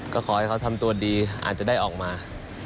ก็ขอให้เขาทำตัวดีอาจจะได้ออกมา